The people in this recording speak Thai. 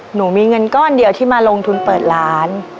หนูมีเงินก้อนเดียวที่มาลงทุนเปิดร้าน